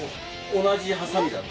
同じハサミだった？